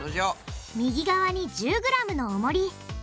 右側に１０ｇのおもり。